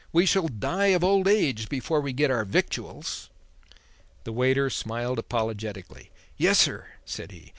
We shall die of old age before we get our victuals!" The waiter smiled apologetically. "Yessir!" said he.